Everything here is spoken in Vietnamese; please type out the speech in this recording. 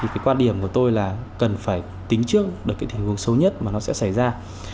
cái quan điểm của tôi là cần phải tính trước được cái tình huống xấu nhất mà nó sẽ xảy ra